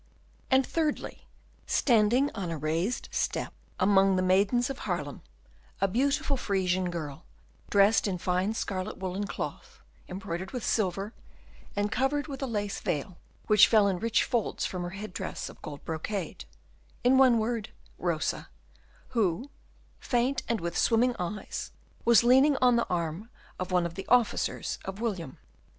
And thirdly, standing on a raised step among the maidens of Haarlem, a beautiful Frisian girl, dressed in fine scarlet woollen cloth, embroidered with silver, and covered with a lace veil, which fell in rich folds from her head dress of gold brocade; in one word, Rosa, who, faint and with swimming eyes, was leaning on the arm of one of the officers of William.